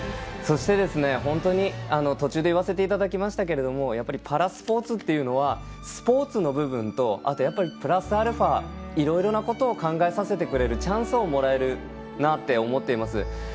そして、本当に途中で言わせていただきましたがパラスポーツというのはスポーツの部分とあと、プラスアルファいろいろなことを考えさせてくれるチャンスをもらえるなと思っています。